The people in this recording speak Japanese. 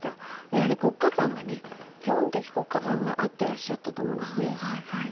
やはり基本的国家観が合ってらっしゃったと思うんですね。